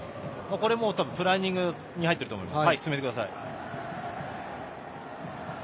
これプランニングに入っていると思います。